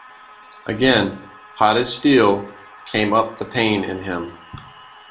Again, hot as steel, came up the pain in him.